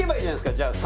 じゃあ３。